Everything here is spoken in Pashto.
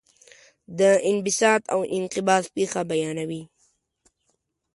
د انبساط او انقباض پېښه بیانوي.